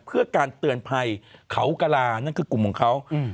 เพื่อการเตือนภัยเขากระลานั่นคือกลุ่มของเขา